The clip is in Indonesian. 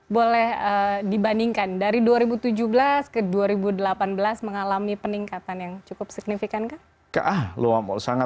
boleh dibandingkan dari dua ribu tujuh belas ke dua ribu delapan belas mengalami peningkatan yang cukup signifikan